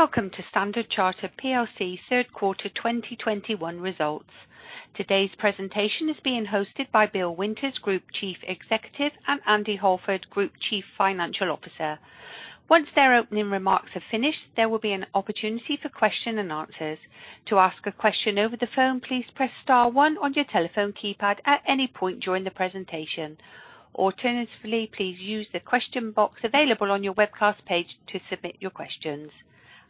Welcome to Standard Chartered Plc third quarter 2021 results. Today's presentation is being hosted by Bill Winters, Group Chief Executive, and Andy Halford, Group Chief Financial Officer. Once their opening remarks are finished, there will be an opportunity for question and answers. To ask a question over the phone, please press star one on your telephone keypad at any point during the presentation. Alternatively, please use the question box available on your webcast page to submit your questions.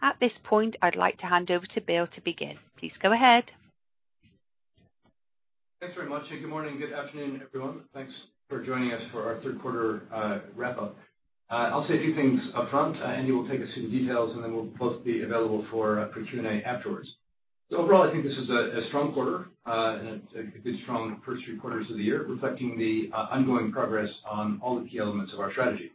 At this point, I'd like to hand over to Bill to begin. Please go ahead. Thanks very much. Good morning. Good afternoon, everyone. Thanks for joining us for our third quarter wrap up. I'll say a few things up front. Andy will take us through the details, and then we'll both be available for Q&A afterwards. Overall, I think this is a strong quarter and a good strong first three quarters of the year, reflecting the ongoing progress on all the key elements of our strategy.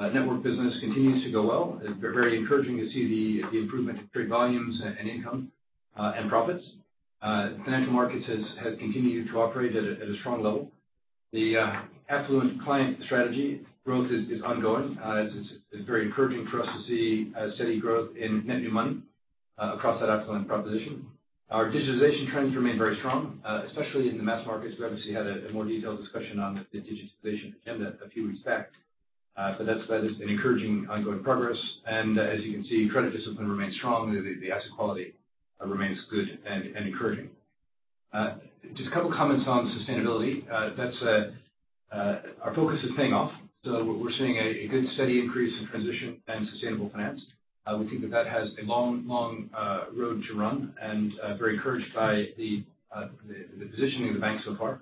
Network business continues to go well. Very encouraging to see the improvement in trade volumes and income and profits. Financial markets has continued to operate at a strong level. The affluent client strategy growth is ongoing. It's very encouraging for us to see steady growth in net new money across that affluent proposition. Our digitization trends remain very strong, especially in the mass markets. We obviously had a more detailed discussion on the digitization agenda a few weeks back. That's been encouraging ongoing progress. As you can see, credit discipline remains strong. The asset quality remains good and encouraging. Just a couple of comments on sustainability. That's our focus is paying off. We're seeing a good steady increase in transition and sustainable finance. We think that has a long road to run, very encouraged by the positioning of the bank so far.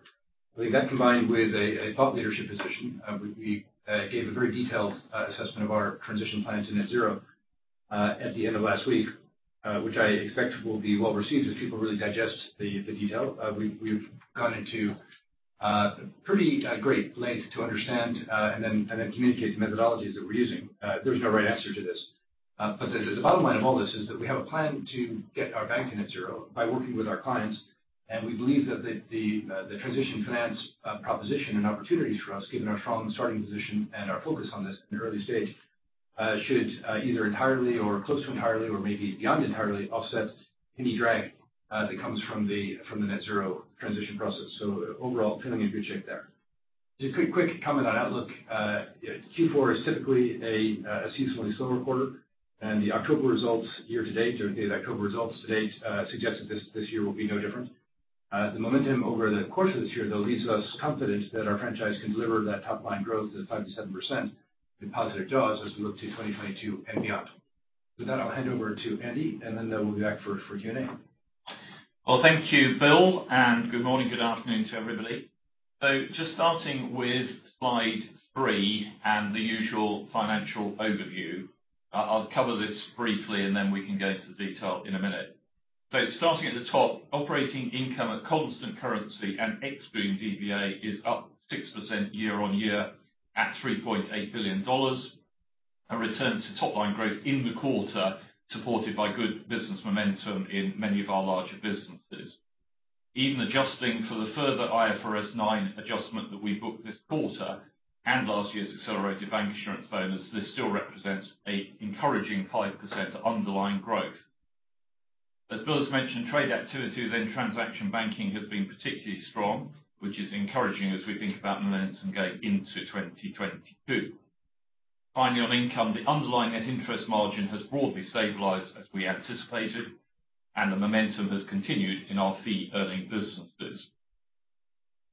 I think that combined with a thought leadership position, we gave a very detailed assessment of our transition plans to net zero at the end of last week, which I expect will be well received as people really digest the detail. We've gone into pretty great length to understand and then communicate the methodologies that we're using. There's no right answer to this. The bottom line of all this is that we have a plan to get our bank to net zero by working with our clients. We believe that the transition finance proposition and opportunities for us, given our strong starting position and our focus on this in the early stage, should either entirely or close to entirely or maybe beyond entirely offset any drag that comes from the net zero transition process. Overall, feeling in good shape there. Just a quick comment on outlook. Q4 is typically a seasonally slower quarter, and the October results to date suggest that this year will be no different. The momentum over the course of this year, though, leaves us confident that our franchise can deliver that top line growth of 5%-7% in positive jaws as we look to 2022 and beyond. With that, I'll hand over to Andy, and then we'll be back for Q&A. Well, thank you, Bill, and good morning, good afternoon to everybody. Just starting with slide three and the usual financial overview. I'll cover this briefly, and then we can go into the detail in a minute. Starting at the top, operating income at constant currency and ex-own DVA is up 6% year-on-year at $3.8 billion. A return to top line growth in the quarter, supported by good business momentum in many of our larger businesses. Even adjusting for the further IFRS 9 adjustment that we booked this quarter and last year's accelerated bancassurance failures, this still represents an encouraging 5% underlying growth. As Bill has mentioned, trade activity within transaction banking has been particularly strong, which is encouraging as we think about momentum going into 2022. Finally, on income, the underlying net interest margin has broadly stabilized as we anticipated, and the momentum has continued in our fee-earning businesses.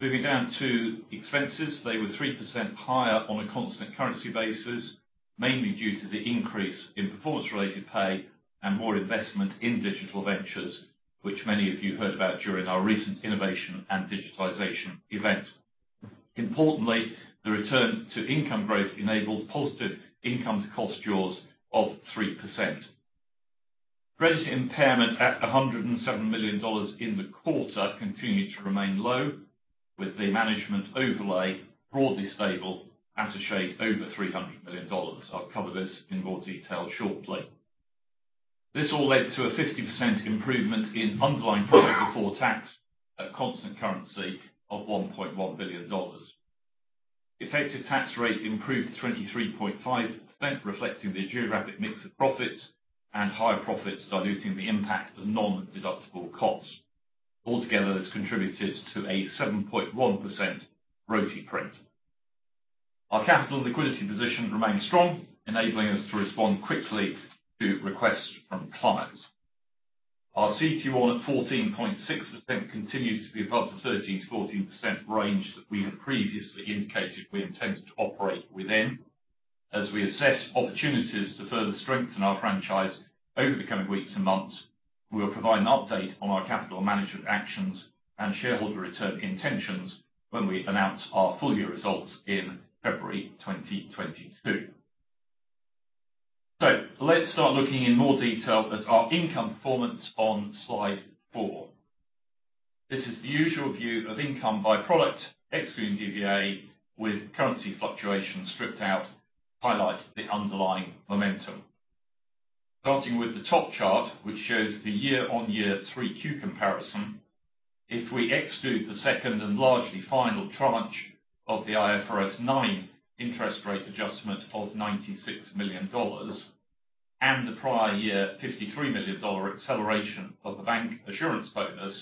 Moving down to expenses, they were 3% higher on a constant currency basis, mainly due to the increase in performance-related pay and more investment in digital ventures, which many of you heard about during our recent innovation and digitalization event. Importantly, the return to income growth enabled positive income to cost jaws of 3%. Credit impairment at $107 million in the quarter continued to remain low, with the management overlay broadly stable at a shade over $300 million. I'll cover this in more detail shortly. This all led to a 50% improvement in underlying profit before tax at constant currency of $1.1 billion. Effective tax rate improved 23.5%, reflecting the geographic mix of profits and higher profits, diluting the impact of non-deductible costs. Altogether, this contributed to a 7.1% RoTE print. Our capital and liquidity position remains strong, enabling us to respond quickly to requests from clients. Our CET1 at 14.6% continues to be above the 13%-14% range that we have previously indicated we intend to operate within. As we assess opportunities to further strengthen our franchise over the coming weeks and months, we will provide an update on our capital management actions and shareholder return intentions when we announce our full year results in February 2022. Let's start looking in more detail at our income performance on slide four. This is the usual view of income by product, ex own DVA, with currency fluctuation stripped out, highlights the underlying momentum. Starting with the top chart, which shows the year-on-year 3Q comparison. If we exclude the second and largely final tranche of the IFRS 9 interest rate adjustment of $96 million and the prior year $53 million acceleration of the bancassurance bonus,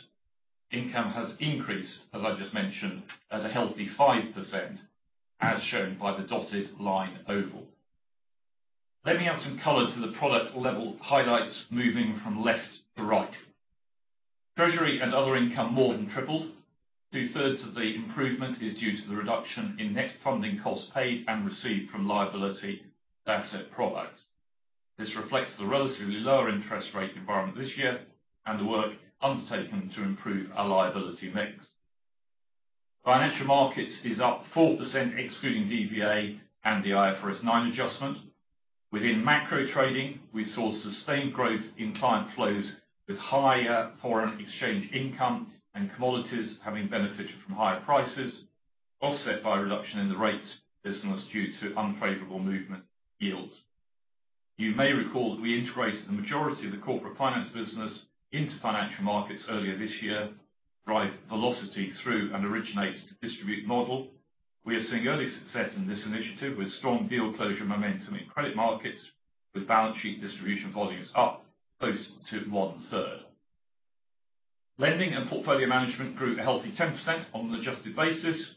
income has increased, as I just mentioned, at a healthy 5%, as shown by the dotted line oval. Let me add some color to the product level highlights moving from left to right. Treasury and other income more than tripled. 2/3 of the improvement is due to the reduction in net funding costs paid and received from liability and asset products. This reflects the relatively lower interest rate environment this year and the work undertaken to improve our liability mix. Financial Markets is up 4% excluding DVA and the IFRS 9 adjustment. Within macro trading, we saw sustained growth in client flows with higher foreign exchange income and commodities having benefited from higher prices, offset by a reduction in the rates business due to unfavorable movements in yields. You may recall that we integrated the majority of the corporate finance business into Financial Markets earlier this year to drive velocity through an originate to distribute model. We are seeing early success in this initiative with strong deal closure momentum in credit markets with balance sheet distribution volumes up close to 33%. Lending and portfolio management grew a healthy 10% on an adjusted basis.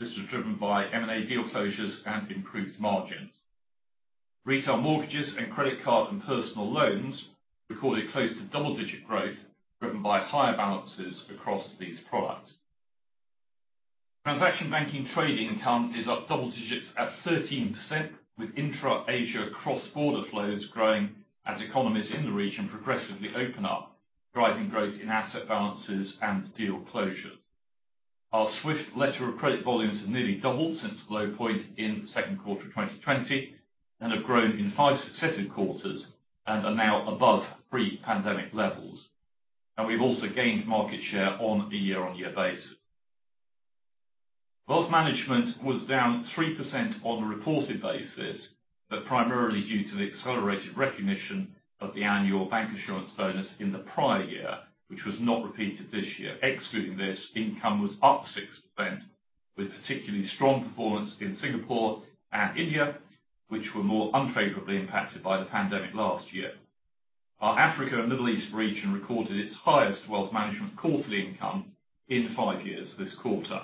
This was driven by M&A deal closures and increased margins. Retail mortgages and credit card and personal loans recorded close to double-digit growth, driven by higher balances across these products. Transaction banking trading income is up double digits at 13%, with intra-Asia cross-border flows growing as economies in the region progressively open up, driving growth in asset balances and deal closures. Our SWIFT letter of credit volumes have nearly doubled since the low point in the second quarter of 2020, and have grown in five successive quarters and are now above pre-pandemic levels. We've also gained market share on a year-on-year basis. Wealth management was down 3% on a reported basis, but primarily due to the accelerated recognition of the annual bancassurance bonus in the prior year, which was not repeated this year. Excluding this, income was up 6%, with particularly strong performance in Singapore and India, which were more unfavorably impacted by the pandemic last year. Our Africa and Middle East region recorded its highest wealth management quarterly income in five years this quarter.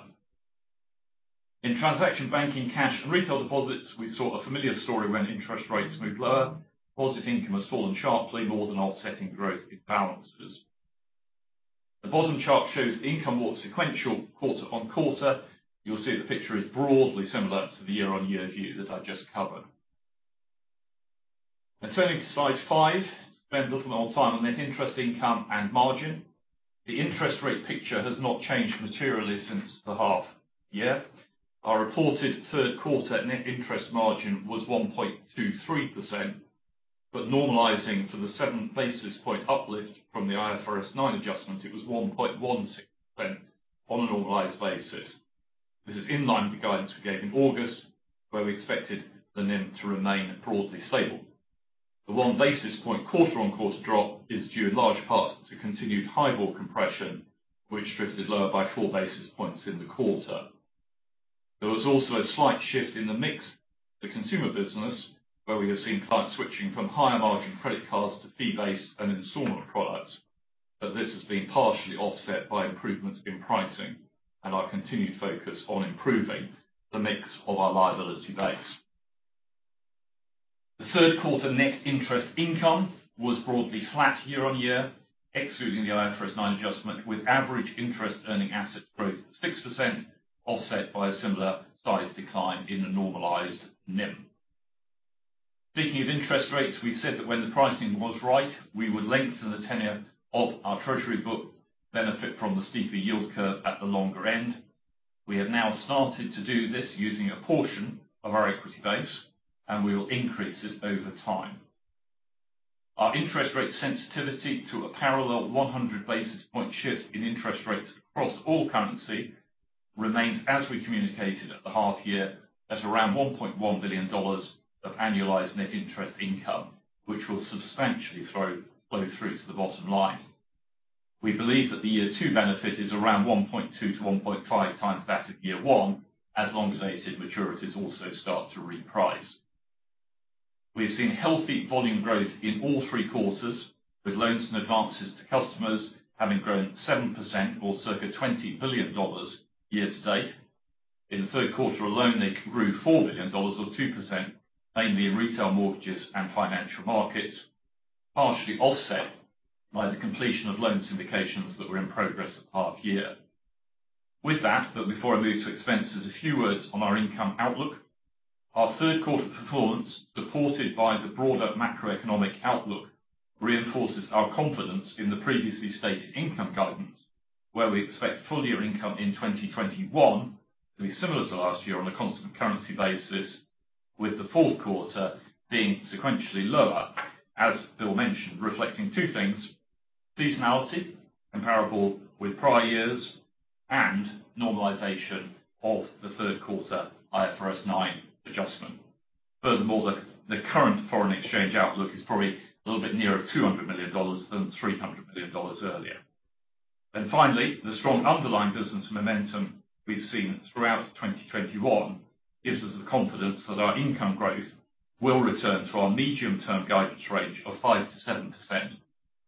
In transaction banking, cash and retail deposits, we saw a familiar story when interest rates moved lower. Deposit income has fallen sharply, more than offsetting growth in balances. The bottom chart shows income more sequential quarter-on-quarter. You'll see the picture is broadly similar to the year-on-year view that I just covered. Turning to slide five, spend a little more time on net interest income and margin. The interest rate picture has not changed materially since the half year. Our reported third quarter net interest margin was 1.23%, but normalizing to the seven basis point uplift from the IFRS 9 adjustment, it was 1.16% on a normalized basis. This is in line with the guidance we gave in August, where we expected the NIM to remain broadly stable. The one basis point quarter-on-quarter drop is due in large part to continued HIBOR compression, which drifted lower by four basis points in the quarter. There was also a slight shift in the mix of the consumer business, where we have seen clients switching from higher margin credit cards to fee-based and installment products. This has been partially offset by improvements in pricing and our continued focus on improving the mix of our liability base. The third quarter net interest income was broadly flat year-on-year, excluding the IFRS 9 adjustment, with average interest earning assets growth of 6%, offset by a similar sized decline in the normalized NIM. Speaking of interest rates, we've said that when the pricing was right, we would lengthen the tenure of our treasury book to benefit from the steeper yield curve at the longer end. We have now started to do this using a portion of our equity base, and we will increase it over time. Our interest rate sensitivity to a parallel 100 basis point shift in interest rates across all currency remains, as we communicated at the half year, at around $1.1 billion of annualized net interest income, which will substantially flow through to the bottom line. We believe that the year two benefit is around 1.2-1.5x that of year one, as long as asset maturities also start to reprice. We have seen healthy volume growth in all three quarters, with loans and advances to customers having grown 7% or circa $20 billion year-to-date. In the third quarter alone, they grew $4 billion or 2%, mainly in retail mortgages and financial markets, partially offset by the completion of loan syndications that were in progress at half year. With that, but before I move to expenses, a few words on our income outlook. Our third quarter performance, supported by the broader macroeconomic outlook, reinforces our confidence in the previously stated income guidance, where we expect full-year income in 2021 to be similar to last year on a constant currency basis, with the fourth quarter being sequentially lower. As Bill mentioned, reflecting two things, seasonality comparable with prior years and normalization of the third quarter IFRS 9 adjustment. Furthermore, the current foreign exchange outlook is probably a little bit nearer $200 million than $300 million earlier. Finally, the strong underlying business momentum we've seen throughout 2021 gives us the confidence that our income growth will return to our medium-term guidance range of 5%-7%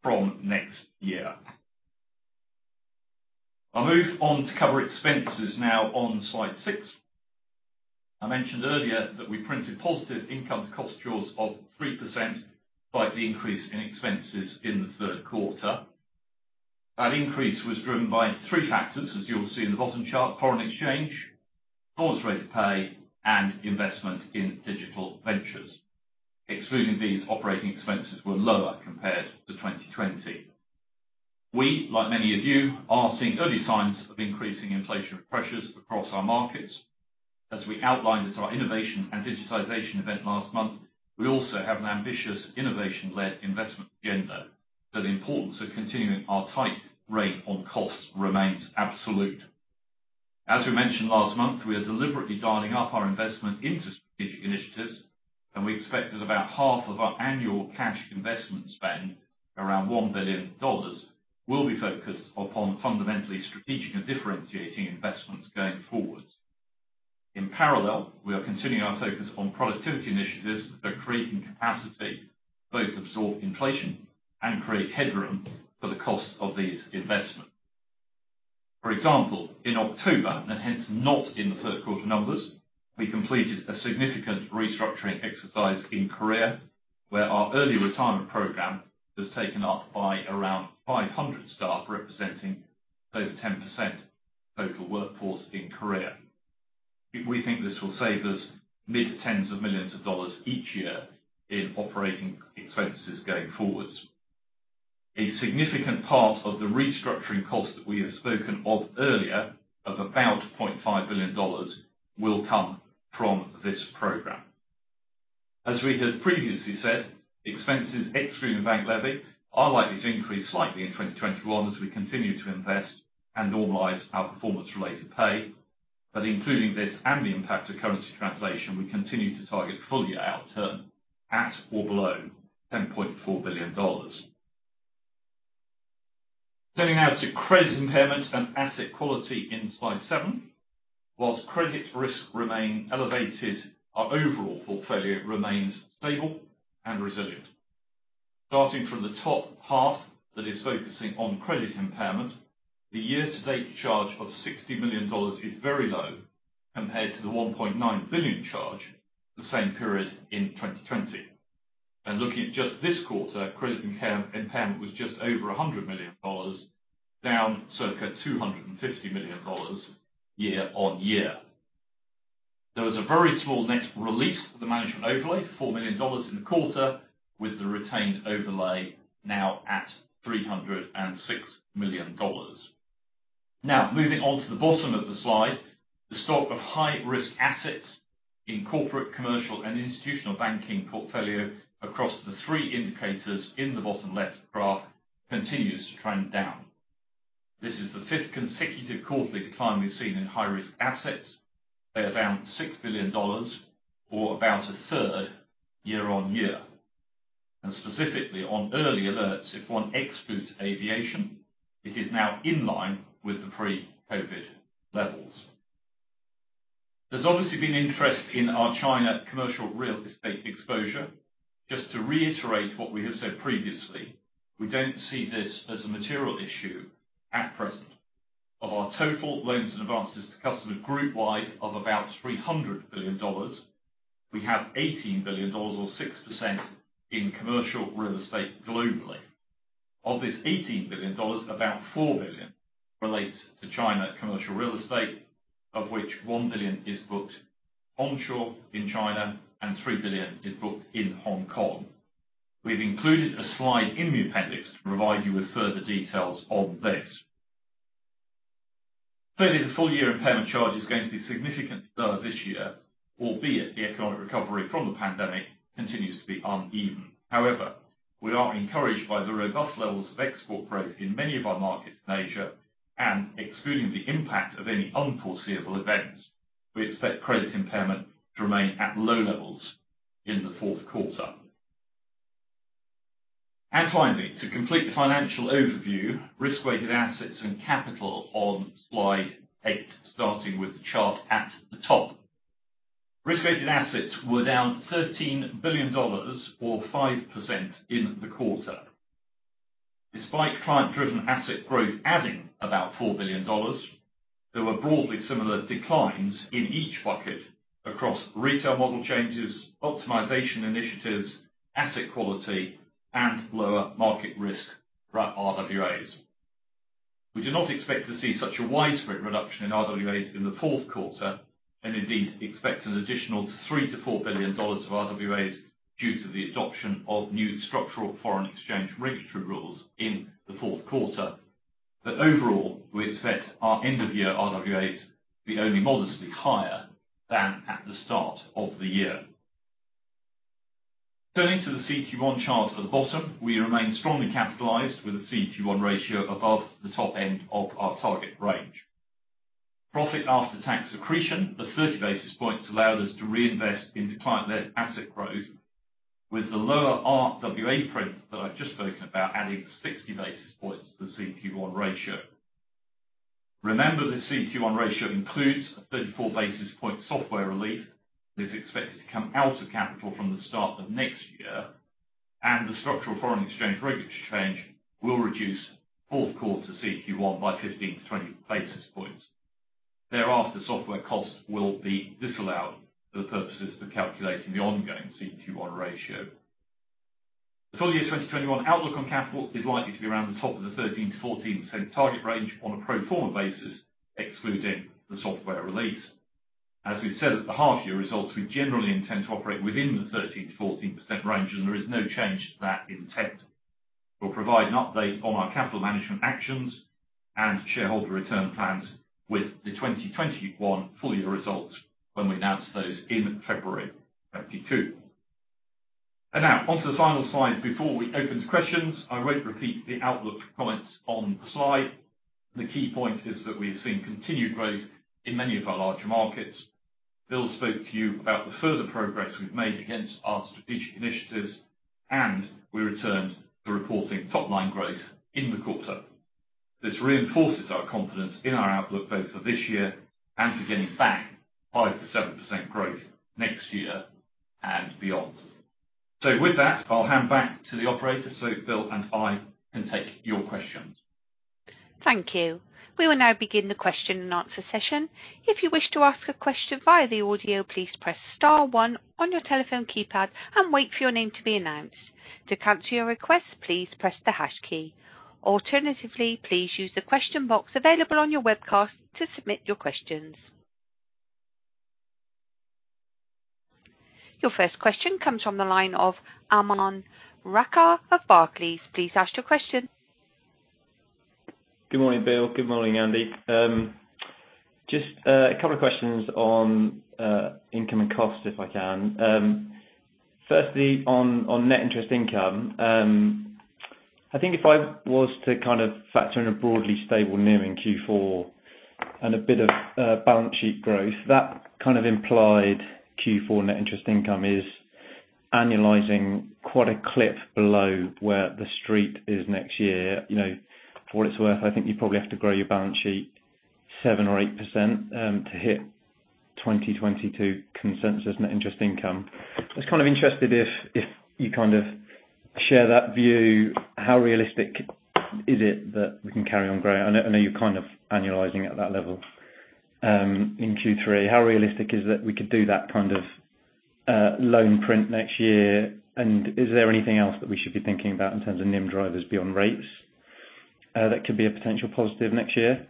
from next year. I'll move on to cover expenses now on slide 6. I mentioned earlier that we printed positive income cost jaws of 3% by the increase in expenses in the third quarter. That increase was driven by three factors, as you'll see in the bottom chart, foreign exchange, performance-related pay, and investment in digital ventures. Excluding these operating expenses were lower compared to 2020. We, like many of you, are seeing early signs of increasing inflation pressures across our markets. As we outlined at our innovation and digitization event last month, we also have an ambitious innovation-led investment agenda. The importance of continuing our tight rein on costs remains absolute. As we mentioned last month, we are deliberately dialing up our investment into strategic initiatives, and we expect that about half of our annual cash investment spend, around $1 billion, will be focused upon fundamentally strategic and differentiating investments going forward. In parallel, we are continuing our focus on productivity initiatives that are creating capacity to both absorb inflation and create headroom for the cost of these investments. For example, in October, and hence not in the third quarter numbers, we completed a significant restructuring exercise in Korea, where our early retirement program was taken up by around 500 staff, representing over 10% of total workforce in Korea. We think this will save us mid-tens of millions of dollars each year in operating expenses going forward. A significant part of the restructuring cost that we have spoken of earlier, of about $0.5 billion, will come from this program. As we have previously said, expenses excluding bank levy are likely to increase slightly in 2021 as we continue to invest and normalize our performance-related pay. Including this and the impact of currency translation, we continue to target full-year outturn at or below $10.4 billion. Turning now to credit impairment and asset quality in slide seven. While credit risks remain elevated, our overall portfolio remains stable and resilient. Starting from the top half that is focusing on credit impairment, the year-to-date charge of $60 million is very low compared to the $1.9 billion charge the same period in 2020. Looking at just this quarter, credit impairment was just over $100 million, down circa $250 million year-on-year. There was a very small net release of the management overlay, $4 million in the quarter, with the retained overlay now at $306 million. Now, moving on to the bottom of the slide. The stock of high-risk assets in corporate, commercial, and institutional banking portfolio across the three indicators in the bottom left graph continues to trend down. This is the fifth consecutive quarterly decline we've seen in high-risk assets. They're down $6 billion or about a third year-on-year. Specifically on early alerts, if one excludes aviation, it is now in line with the pre-COVID levels. There's obviously been interest in our China commercial real estate exposure. Just to reiterate what we have said previously, we don't see this as a material issue at present. Of our total loans and advances to customers group wide of about $300 billion, we have $18 billion or 6% in commercial real estate globally. Of this $18 billion, about $4 billion relates to China commercial real estate, of which $1 billion is booked onshore in China and $3 billion is booked in Hong Kong. We've included a slide in the appendix to provide you with further details on this. Clearly, the full year impairment charge is going to be significantly lower this year, albeit the economic recovery from the pandemic continues to be uneven. However, we are encouraged by the robust levels of export growth in many of our markets in Asia, and excluding the impact of any unforeseeable events, we expect credit impairment to remain at low levels in the fourth quarter. Finally, to complete the financial overview, risk-weighted assets and capital on slide 8, starting with the chart at the top. Risk-weighted assets were down $13 billion or 5% in the quarter. Despite client-driven asset growth adding about $4 billion, there were broadly similar declines in each bucket across retail model changes, optimization initiatives, asset quality, and lower market risk RWAs. We do not expect to see such a widespread reduction in RWAs in the fourth quarter, and indeed expect an additional $3 billion-$4 billion of RWAs due to the adoption of new structural foreign exchange regulatory rules in the fourth quarter. Overall, we expect our end-of-year RWAs to be only modestly higher than at the start of the year. Turning to the CET1 chart at the bottom, we remain strongly capitalized with a CET1 ratio above the top end of our target range. Profit after tax accretion of 30 basis points allowed us to reinvest into client-led asset growth with the lower RWA print that I've just spoken about, adding 60 basis points to the CET1 ratio. Remember, the CET1 ratio includes a 34 basis point software release that is expected to come out of capital from the start of next year, and the structural foreign exchange regulatory change will reduce fourth quarter CET1 by 15-20 basis points. Thereafter, software costs will be disallowed for the purposes of calculating the ongoing CET1 ratio. The full-year 2021 outlook on capital is likely to be around the top of the 13%-14% target range on a pro forma basis, excluding the software release. As we've said at the half-year results, we generally intend to operate within the 13%-14% range, and there is no change to that intent. We'll provide an update on our capital management actions and shareholder return plans with the 2021 full-year results when we announce those in February 2022. Now on to the final slide before we open to questions. I won't repeat the outlook comments on the slide. The key point is that we've seen continued growth in many of our larger markets. Bill spoke to you about the further progress we've made against our strategic initiatives, and we returned to reporting top-line growth in the quarter. This reinforces our confidence in our outlook, both for this year and for getting back 5%-7% growth next year and beyond. With that, I'll hand back to the operator so Bill and I can take your questions. Thank you. We will now begin the question and answer session. If you wish to ask a question via the audio, please press star one on your telephone keypad and wait for your name to be announced. To cancel your request, please press the hash key. Alternatively, please use the question box available on your webcast to submit your questions. Your first question comes from the line of Aman Rakkar of Barclays. Please ask your question. Good morning, Bill. Good morning, Andy. Just a couple of questions on income and cost, if I can. Firstly on net interest income, I think if I was to kind of factor in a broadly stable NIM in Q4 and a bit of balance sheet growth, that kind of implied Q4 net interest income is annualizing quite a clip below where the Street is next year. You know, for what it's worth, I think you probably have to grow your balance sheet 7%-8% to hit 2022 consensus net interest income. I was kind of interested if you kind of share that view, how realistic is it that we can carry on growing? I know, I know you're kind of annualizing at that level in Q3. How realistic is it that we could do that kind of loan print next year? Is there anything else that we should be thinking about in terms of NIM drivers beyond rates that could be a potential positive next year?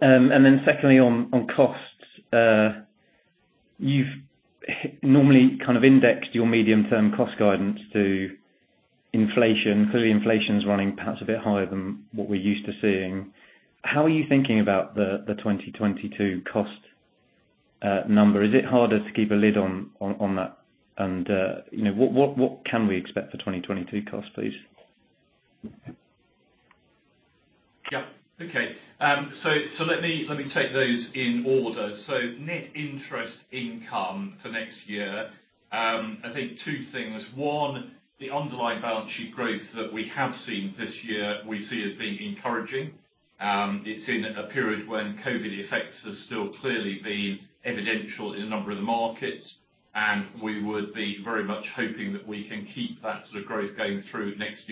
Secondly, on costs, you've normally kind of indexed your medium-term cost guidance to inflation. Clearly, inflation's running perhaps a bit higher than what we're used to seeing. How are you thinking about the 2022 cost number? Is it harder to keep a lid on that? You know, what can we expect for 2022 costs, please? Yeah. Okay. Let me take those in order. Net interest income for next year, I think two things. One, the underlying balance sheet growth that we have seen this year we see as being encouraging. It's in a period when COVID effects have still clearly been evident in a number of the markets, and we would be very much hoping that we can keep that sort of growth going through next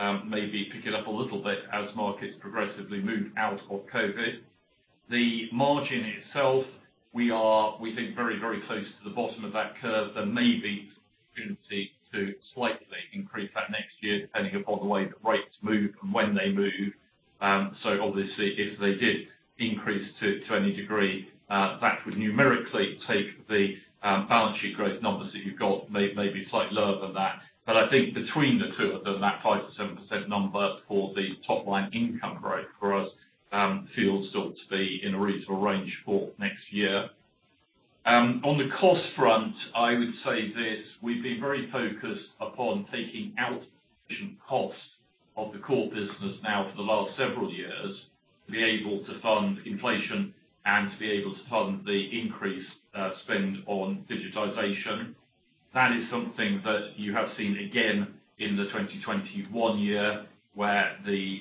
year. Indeed, maybe pick it up a little bit as markets progressively move out of COVID. The margin itself, we think very, very close to the bottom of that curve. There may be an opportunity to slightly increase that next year, depending upon the way that rates move and when they move. Obviously, if they did increase to any degree, that would numerically take the balance sheet growth numbers that you've got maybe slightly lower than that. I think between the two of them, that 5%-7% number for the top line income growth for us feels still to be in a reasonable range for next year. On the cost front, I would say this, we've been very focused upon taking out costs of the core business now for the last several years, to be able to fund inflation and to be able to fund the increased spend on digitization. That is something that you have seen again in the 2021 year, where the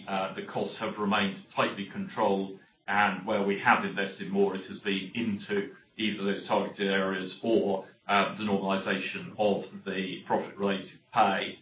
costs have remained tightly controlled and where we have invested more, it has been into either those targeted areas or the normalization of the profit related pay.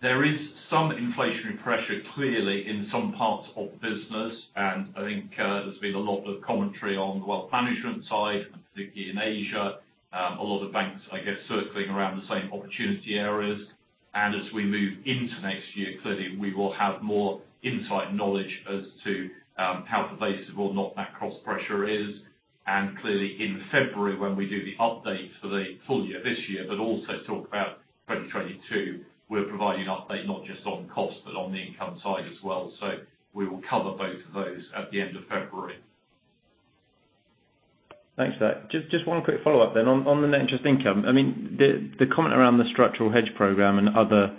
There is some inflationary pressure clearly in some parts of the business, and I think, there's been a lot of commentary on the wealth management side, particularly in Asia. A lot of banks, I guess, circling around the same opportunity areas. As we move into next year, clearly we will have more insight and knowledge as to how pervasive or not that cost pressure is. Clearly in February, when we do the update for the full year this year, but also talk about 2022, we're providing an update not just on cost, but on the income side as well. We will cover both of those at the end of February. Thanks for that. Just one quick follow up then. On the net interest income. I mean, the comment around the structural hedge program and other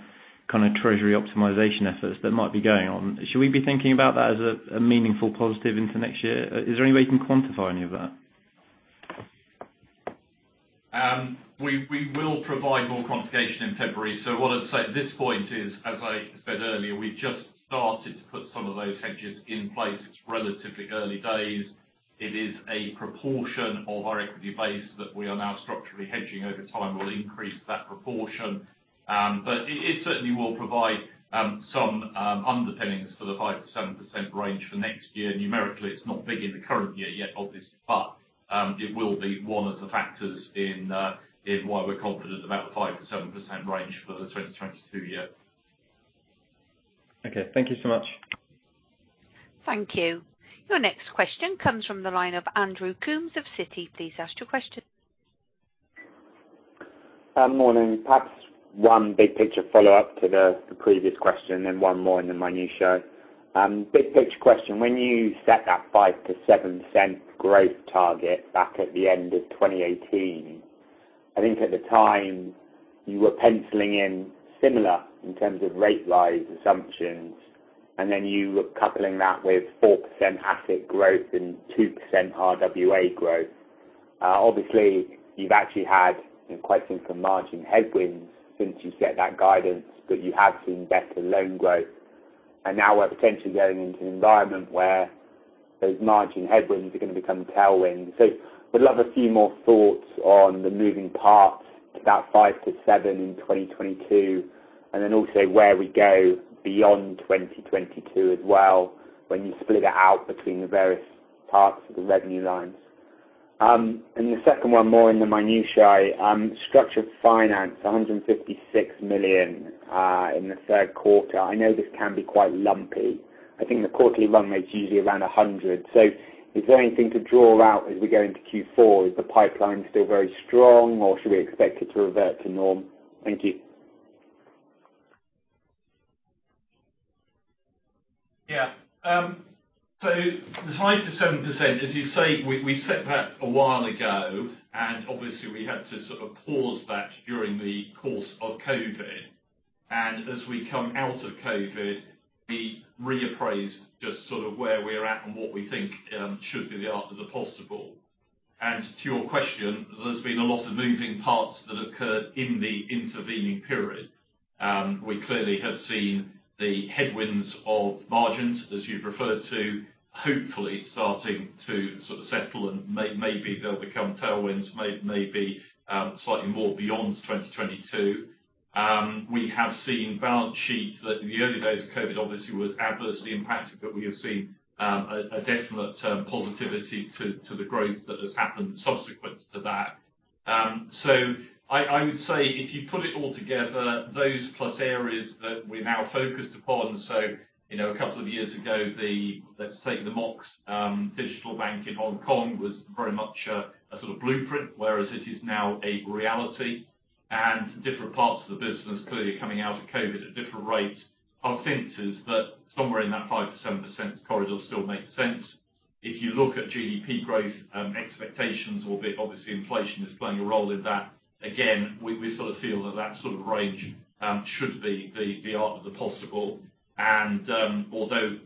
kind of treasury optimization efforts that might be going on, should we be thinking about that as a meaningful positive into next year? Is there any way you can quantify any of that? We will provide more quantification in February. What I'd say at this point is, as I said earlier, we just started to put some of those hedges in place. It's relatively early days. It is a proportion of our equity base that we are now structurally hedging. Over time, we'll increase that proportion. It certainly will provide some underpinnings for the 5%-7% range for next year. Numerically, it's not big in the current year yet, obviously, but it will be one of the factors in why we're confident about the 5%-7% range for the 2022 year. Okay. Thank you so much. Thank you. Your next question comes from the line of Andrew Coombs of Citi. Please ask your question. Morning. Perhaps one big picture follow up to the previous question and one more in the minutiae. Big picture question. When you set that 5%-7% growth target back at the end of 2018, I think at the time you were penciling in similar in terms of rate rise assumptions, and then you were coupling that with 4% asset growth and 2% RWA growth. Obviously you've actually had quite significant margin headwinds since you set that guidance, but you have seen better loan growth. Now we're potentially going into an environment where those margin headwinds are gonna become tailwinds. I'd love a few more thoughts on the moving parts to that five-seven in 2022, and then also where we go beyond 2022 as well, when you split it out between the various parts of the revenue lines. And the second one more in the minutiae. Structured finance, $156 million in the third quarter. I know this can be quite lumpy. I think the quarterly run rate is usually around 100. Is there anything to draw out as we go into Q4? Is the pipeline still very strong, or should we expect it to revert to norm? Thank you. Yeah. The 5%-7%, as you say, we set that a while ago, and obviously we had to sort of pause that during the course of COVID. As we come out of COVID, we reappraised just sort of where we're at and what we think should be the art of the possible. To your question, there's been a lot of moving parts that occurred in the intervening period. We clearly have seen the headwinds of margins, as you've referred to, hopefully starting to sort of settle and maybe they'll become tailwinds, maybe, slightly more beyond 2022. We have seen balance sheet that in the early days of COVID obviously was adversely impacted, but we have seen a definite positivity to the growth that has happened subsequent to that. I would say if you put it all together, those plus areas that we're now focused upon. You know, a couple of years ago, let's say the Mox digital bank in Hong Kong was very much a sort of blueprint, whereas it is now a reality. Different parts of the business clearly are coming out of COVID at different rates. Our sense is that somewhere in that 5%-7% corridor still makes sense. If you look at GDP growth expectations, albeit obviously inflation is playing a role in that, again, we sort of feel that that sort of range should be the art of the possible. Although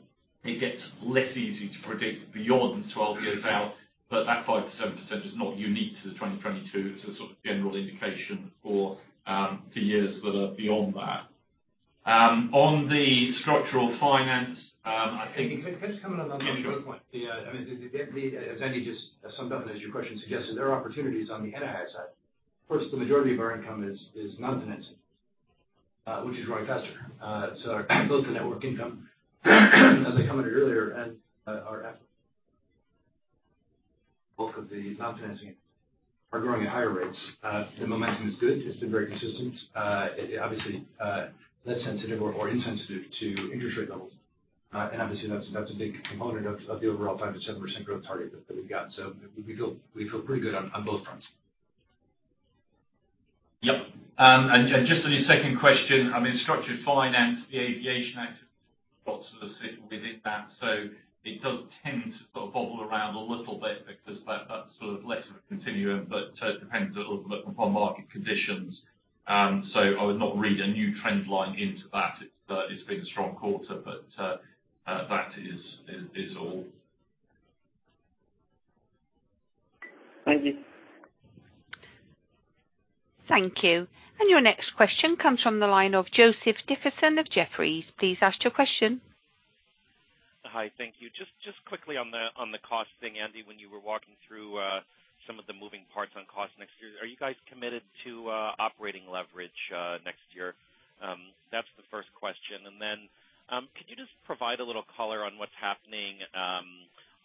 it gets less easy to predict beyond 12 years out, but that 5%-7% is not unique to 2022. It's a sort of general indication for the years that are beyond that. On the structural finance, I think. Can I just come in on one point? Yeah, sure. As Andy just summed up and as your question suggested, there are opportunities on the in-house side. First, the majority of our income is non-interest, which is growing faster. Our wealth management income, as I commented earlier, and our assets, both of the non-interest are growing at higher rates. The momentum is good. It's been very consistent. Obviously, less sensitive or insensitive to interest rate levels. Obviously that's a big component of the overall 5%-7% growth target that we've got. We feel pretty good on both fronts. Yep. Just on your second question, I mean, structured finance, the aviation activity sort of sit within that. It does tend to sort of bubble around a little bit because that's sort of less of a continuum, but so it depends a little bit upon market conditions. I would not read a new trend line into that. It's been a strong quarter, but that is all. Thank you. Thank you. Your next question comes from the line of Joe Dickerson of Jefferies. Please ask your question. Hi. Thank you. Just quickly on the cost thing, Andy, when you were walking through some of the moving parts on cost next year. Are you guys committed to operating leverage next year? That's the first question. Could you just provide a little color on what's happening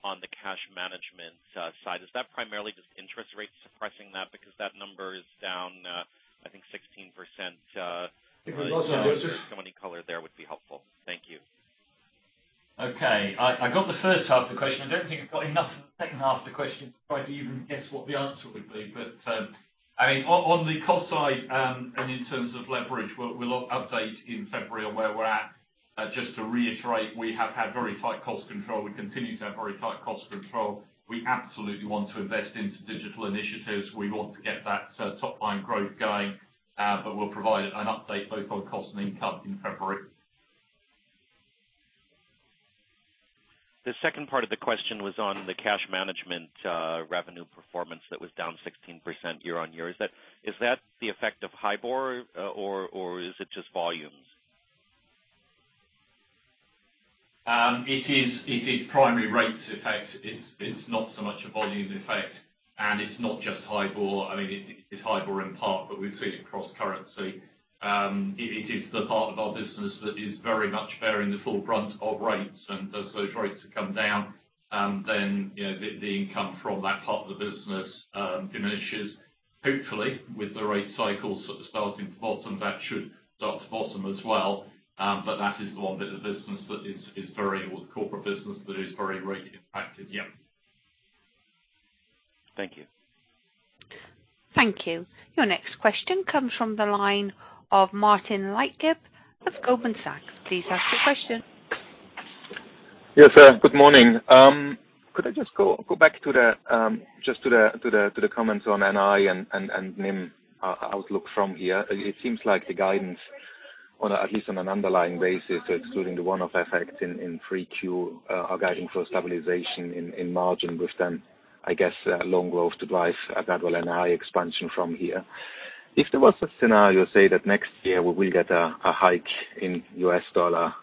on the cash management side? Is that primarily just interest rates suppressing that? Because that number is down, I think 16%. If I can ask. Any color there would be helpful. Thank you. Okay. I got the H1 of the question. I don't think I've got enough of the H2 of the question to try to even guess what the answer would be. I mean, on the cost side, and in terms of leverage, we'll update in February on where we're at. Just to reiterate, we have had very tight cost control. We continue to have very tight cost control. We absolutely want to invest into digital initiatives. We want to get that sort of top line growth going, but we'll provide an update both on cost and income in February. The second part of the question was on the cash management, revenue performance that was down 16% year-on-year. Is that the effect of HIBOR or is it just volumes? It is primary rates effect. It's not so much a volume effect, and it's not just HIBOR. I mean, it's HIBOR in part, but we've seen it cross currency. It is the part of our business that is very much bearing the full brunt of rates, and as those rates come down, then, you know, the income from that part of the business diminishes. Hopefully, with the rate cycles sort of starting to bottom, that should start to bottom as well. But that is the one bit of business that is very much the corporate business that is very rate impacted. Yeah. Thank you. Thank you. Your next question comes from the line of Martin Leitgeb of Goldman Sachs. Please ask your question. Yes, good morning. Could I just go back to the comments on NI and NIM outlook from here. It seems like the guidance, at least on an underlying basis, excluding the one-off effect in 3Q, are guiding for stabilization in margin, with then, I guess, loan growth to drive that, well, NI expansion from here. If there was a scenario, say that next year we will get a hike in U.S. dollar,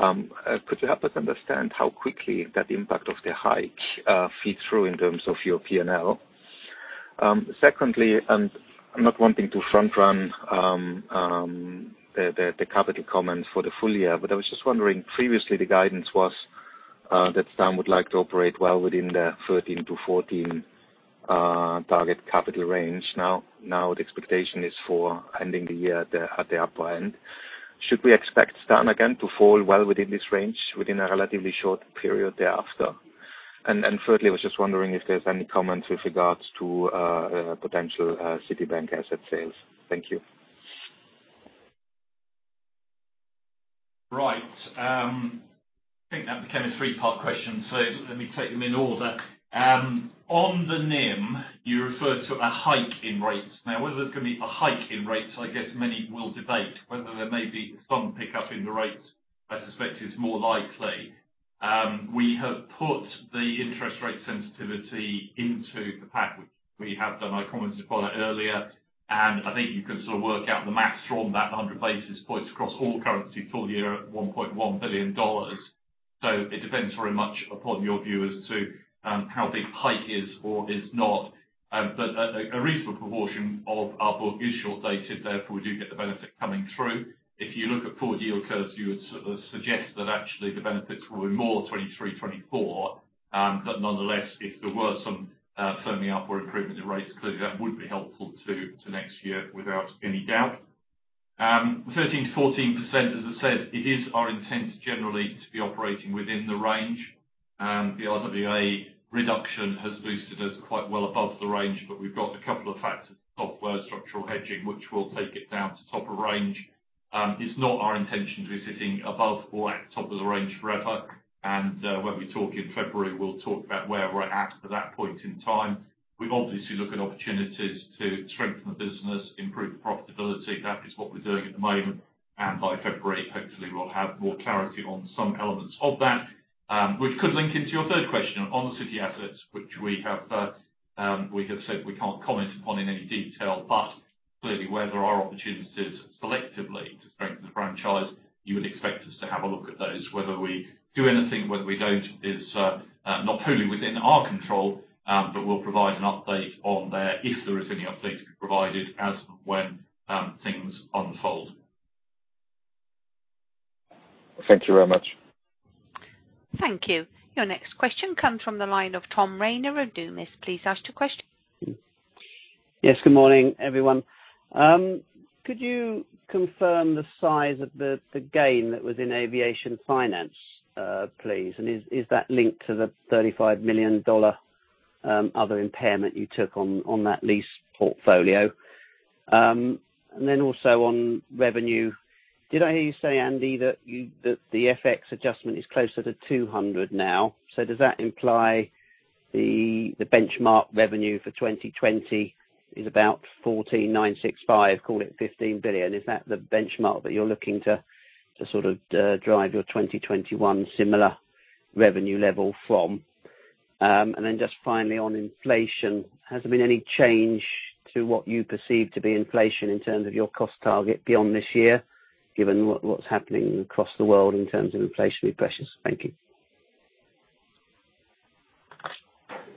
could you help us understand how quickly that impact of the hike feeds through in terms of your P&L? Secondly, I'm not wanting to front run the capital comments for the full year, but I was just wondering previously the guidance was that Stan would like to operate well within the 13-14 target capital range. Now the expectation is for ending the year at the upper end. Should we expect Stan again to fall well within this range within a relatively short period thereafter? Thirdly, I was just wondering if there's any comments with regards to potential Citibank asset sales. Thank you. Right. I think that became a three-part question, so let me take them in order. On the NIM, you referred to a hike in rates. Now, whether there's going to be a hike in rates, I guess many will debate. Whether there may be some pickup in the rates, I suspect is more likely. We have put the interest rate sensitivity into the pack, which we have done. I commented upon it earlier. I think you can sort of work out the math from that 100 basis points across all currency full year at $1.1 billion. So it depends very much upon your view as to, how big hike is or is not. But a reasonable proportion of our book is short dated, therefore we do get the benefit coming through. If you look at forward yield curves, you would sort of suggest that actually the benefits will be more 2023, 2024. But nonetheless, if there were some firming up or improvement in rates, clearly that would be helpful to next year without any doubt. The 13%-14%, as I said, it is our intent generally to be operating within the range. The RWA reduction has boosted us quite well above the range, but we've got a couple of factors of structural hedging, which will take it down to top of range. It's not our intention to be sitting above or at top of the range forever. When we talk in February, we'll talk about where we're at that point in time. We obviously look at opportunities to strengthen the business, improve profitability. That is what we're doing at the moment. By February, hopefully we'll have more clarity on some elements of that, which could link into your third question on the Citi assets, which we have said we can't comment upon in any detail. Clearly, where there are opportunities selectively to strengthen the franchise, you would expect us to have a look at those. Whether we do anything, whether we don't, is not totally within our control, but we'll provide an update on there if there is any update to be provided as and when things unfold. Thank you very much. Thank you. Your next question comes from the line of Tom Rayner of Numis. Please ask your question. Yes, good morning, everyone. Could you confirm the size of the gain that was in aviation finance, please? Is that linked to the $35 million other impairment you took on that lease portfolio? On revenue, did I hear you say, Andy, that the FX adjustment is closer to $200 now? Does that imply the benchmark revenue for 2020 is about 4,965, call it $15 billion? Is that the benchmark that you're looking to sort of drive your 2021 similar revenue level from? Just finally on inflation, has there been any change to what you perceive to be inflation in terms of your cost target beyond this year, given what's happening across the world in terms of inflationary pressures? Thank you.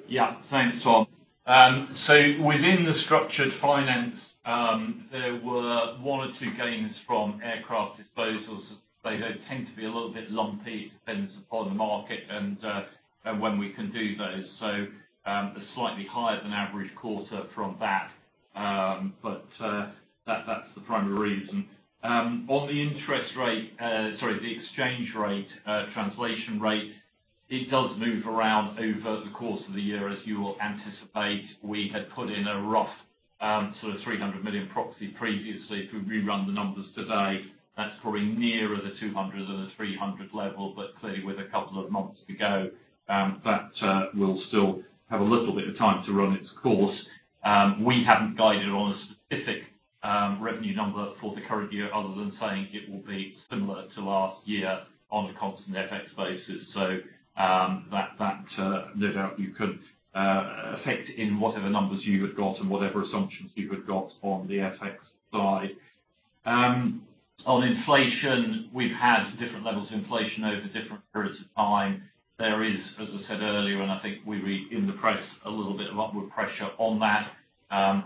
Yeah. Thanks, Tom. Within the structured finance, there were one or two gains from aircraft disposals. They do tend to be a little bit lumpy. It depends upon the market and when we can do those. A slightly higher than average quarter from that. That's the primary reason. On the exchange rate translation rate, it does move around over the course of the year, as you will anticipate. We had put in a rough, sort of $300 million proxy previously. If we rerun the numbers today, that's probably nearer the $200 million than the $300 million level, but clearly with a couple of months to go, that will still have a little bit of time to run its course. We haven't guided on a specific revenue number for the current year other than saying it will be similar to last year on a constant FX basis. That no doubt you could factor in whatever numbers you had got and whatever assumptions you had got on the FX side. On inflation, we've had different levels of inflation over different periods of time. There is, as I said earlier, and I think we read in the press a little bit of upward pressure on that.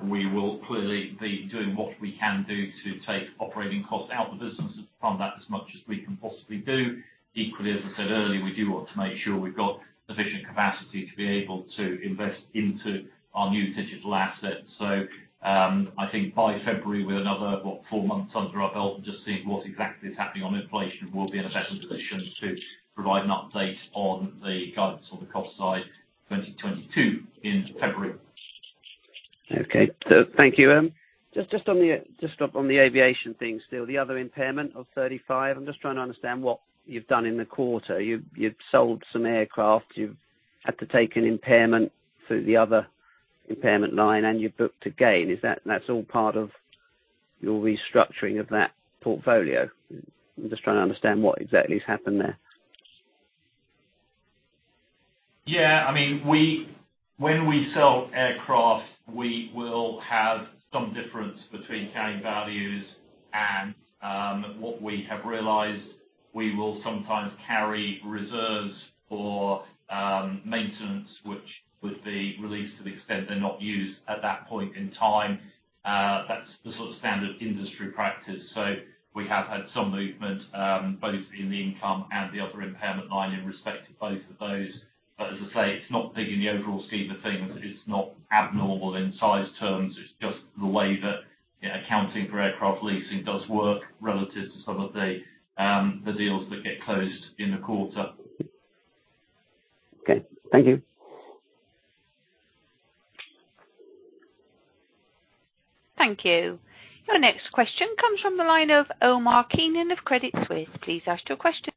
We will clearly be doing what we can do to take operating costs out of the business from that as much as we can possibly do. Equally, as I said earlier, we do want to make sure we've got sufficient capacity to be able to invest into our new digital assets. I think by February, with another four months under our belt, and just seeing what exactly is happening on inflation, we'll be in a better position to provide an update on the guidance on the cost side 2022 in February. Okay. Thank you. Just on the aviation thing still, the other impairment of $35. I'm just trying to understand what you've done in the quarter. You've sold some aircraft. You've had to take an impairment through the other impairment line, and you've booked a gain. Is that all part of your restructuring of that portfolio? I'm just trying to understand what exactly has happened there. Yeah. I mean, when we sell aircraft, we will have some difference between carrying values and what we have realized. We will sometimes carry reserves for maintenance, which would be released to the extent they're not used at that point in time. That's the sort of standard industry practice. We have had some movement both in the income and the other impairment line in respect to both of those. As I say, it's not big in the overall scheme of things. It's not abnormal in size terms. It's just the way that, you know, accounting for aircraft leasing does work relative to some of the the deals that get closed in the quarter. Okay. Thank you. Thank you. Your next question comes from the line of Omar Keenan of Credit Suisse. Please ask your question.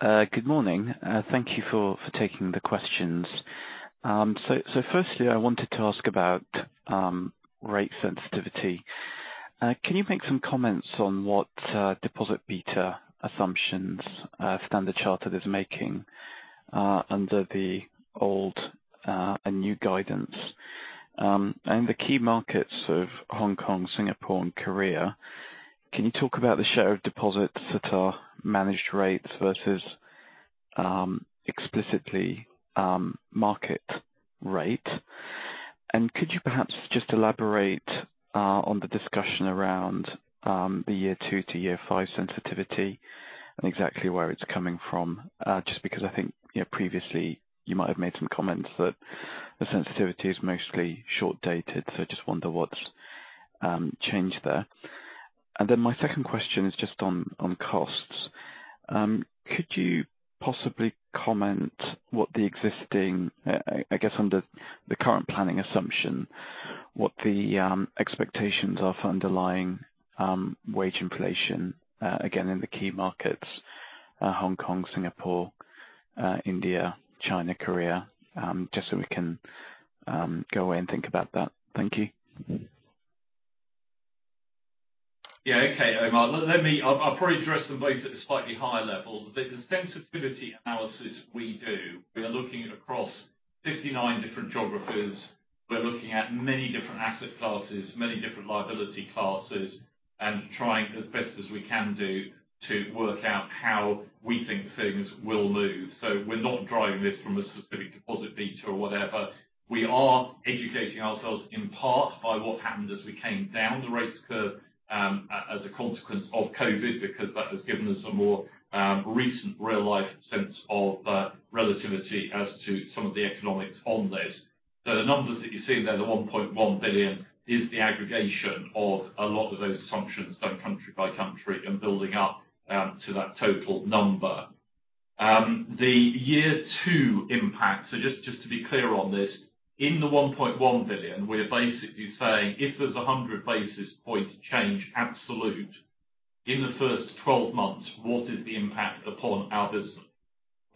Good morning. Thank you for taking the questions. Firstly, I wanted to ask about rate sensitivity. Can you make some comments on what deposit beta assumptions Standard Chartered is making under the old and new guidance? In the key markets of Hong Kong, Singapore, and Korea, can you talk about the share of deposits that are managed rates versus explicitly market rate? Could you perhaps just elaborate on the discussion around the year two to year five sensitivity and exactly where it's coming from? Just because I think, you know, previously you might have made some comments that the sensitivity is mostly short-dated, so I just wonder what's changed there. My second question is just on costs. Could you possibly comment, I guess under the current planning assumption, what the expectations are for underlying wage inflation, again, in the key markets, Hong Kong, Singapore, India, China, Korea, just so we can go away and think about that? Thank you. Yeah. Okay, Omar. Let me, I'll probably address them both at a slightly higher level. The sensitivity analysis we do, we are looking across 59 different geographies. We're looking at many different asset classes, many different liability classes, and trying as best as we can do to work out how we think things will move. We're not driving this from a specific deposit beta or whatever. We are educating ourselves in part by what happened as we came down the rates curve, as a consequence of COVID, because that has given us a more recent real-life sense of that relativity as to some of the economics on this. The numbers that you're seeing there, the $1.1 billion, is the aggregation of a lot of those assumptions done country by country and building up to that total number. The year two impact, just to be clear on this, in the $1.1 billion, we're basically saying if there's a 100 basis points change absolute in the first 12 months, what is the impact upon our business.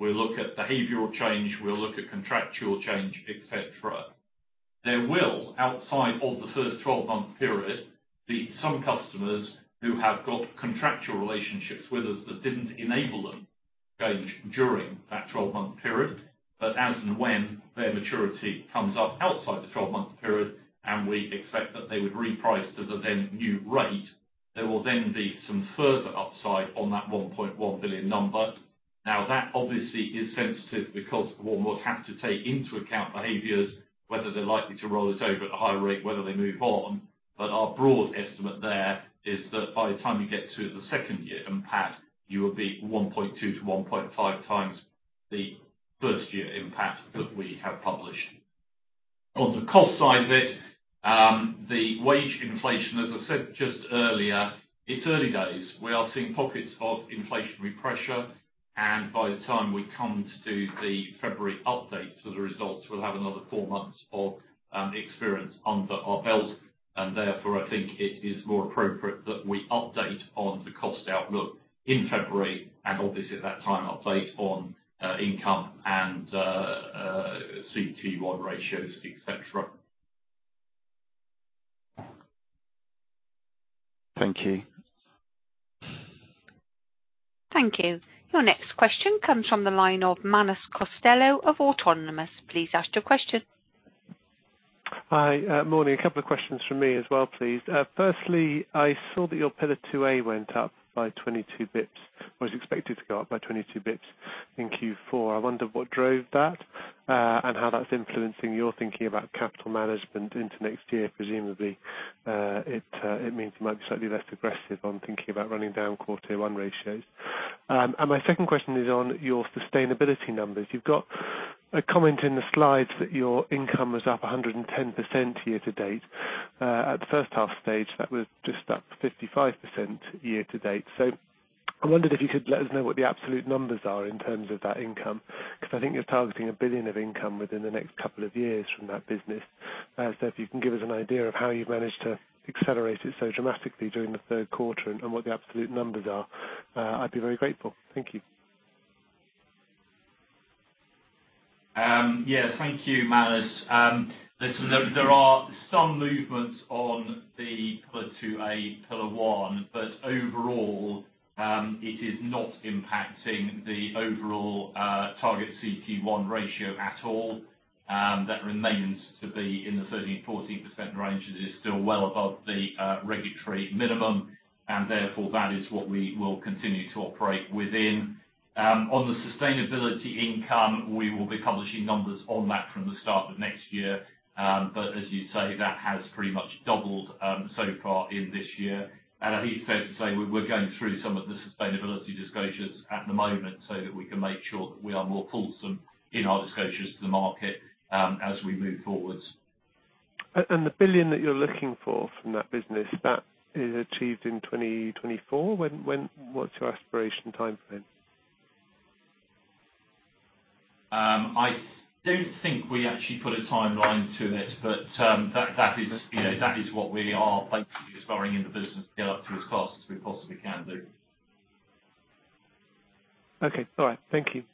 We'll look at behavioral change, we'll look at contractual change, et cetera. There will, outside of the first 12-month period, be some customers who have got contractual relationships with us that didn't enable them to engage during that 12-month period. As and when their maturity comes up outside the 12-month period, and we expect that they would reprice to the then new rate, there will then be some further upside on that $1.1 billion number. Now, that obviously is sensitive because one will have to take into account behaviors, whether they're likely to roll it over at a higher rate, whether they move on. Our broad estimate there is that by the time you get to the second year impact, you will be 1.2-1.5x the first year impact that we have published. On the cost side of it, the wage inflation, as I said just earlier, it's early days. We are seeing pockets of inflationary pressure, and by the time we come to do the February update for the results, we'll have another four months of experience under our belt. Therefore, I think it is more appropriate that we update on the cost outlook in February and obviously at that time, update on income and CET1 ratios, et cetera. Thank you. Thank you. Your next question comes from the line of Manus Costello of Autonomous. Please ask your question. Hi. Morning. A couple of questions from me as well, please. Firstly, I saw that your Pillar 2A went up by 22 basis points. Well, it's expected to go up by 22 basis points in Q4. I wondered what drove that, and how that's influencing your thinking about capital management into next year. Presumably, it means you might be slightly less aggressive on thinking about running down core tier one ratios. My second question is on your sustainability numbers. You've got a comment in the slides that your income was up 110% year-to-date. At the H1 stage, that was just up 55% year-to-date. I wondered if you could let us know what the absolute numbers are in terms of that income because I think you're targeting $1 billion of income within the next couple of years from that business. If you can give us an idea of how you've managed to accelerate it so dramatically during the third quarter and what the absolute numbers are, I'd be very grateful. Thank you. Yeah, thank you, Manus. Listen, there are some movements on the Pillar 2A, Pillar 1, but overall, it is not impacting the overall target CET1 ratio at all. That remains to be in the 13%-14% range. It is still well above the regulatory minimum, and therefore that is what we will continue to operate within. On the sustainability income, we will be publishing numbers on that from the start of next year. But as you say, that has pretty much doubled so far in this year. I think it's fair to say we're going through some of the sustainability disclosures at the moment so that we can make sure that we are more fulsome in our disclosures to the market, as we move forwards. The billion that you're looking for from that business, that is achieved in 2024? When, what's your aspiration timeframe? I don't think we actually put a timeline to it, but that is, you know, what we are basically aspiring in the business to get up to as fast as we possibly can do. Okay. All right. Thank you.